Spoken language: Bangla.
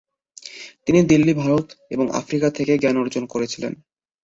তিনি দিল্লী, ভারত এবং আফ্রিকা থেকে জ্ঞান অর্জন করেছেন।